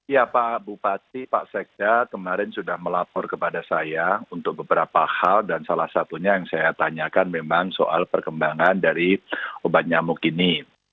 ya pak bupati pak sekda kemarin sudah melapor kepada saya untuk beberapa hal dan salah satunya yang saya tanyakan memang soal perkembangan dari obat nyamuk ini